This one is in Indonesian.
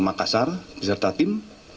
makassar beserta tim